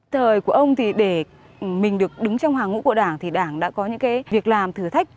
thời của ông thì để mình được đứng trong hàng ngũ của đảng thì đảng đã có những cái việc làm thử thách